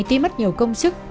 tuy mất nhiều công sức